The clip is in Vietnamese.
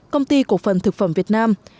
công ty cổ phần thực phẩm việt nam